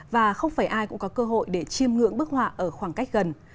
và không phải ai cũng có cơ hội để chiêm ngưỡng bức họa ở khoảng cách gần